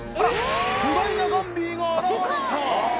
巨大なガンビーが現れた！